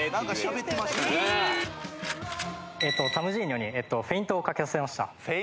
タムジーニョにフェイントをかけさせました。